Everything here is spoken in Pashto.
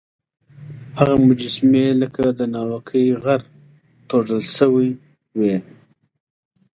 هغه مجسمې لکه د ناوکۍ غر توږل سوی وې.